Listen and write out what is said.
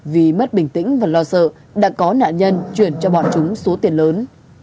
vì mất bình tĩnh và lo sợ đã có nạn nhân chuyển cho bọn chúng số tiền lớn